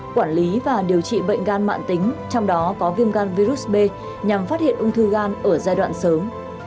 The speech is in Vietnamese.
quản lý và điều trị bệnh gan mạng tính trong đó có viêm gan virus b nhằm phát hiện ung thư gan ở giai đoạn sớm